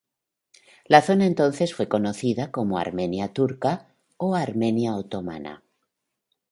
La zona entonces fue conocida como Armenia Turca o Armenia Otomana.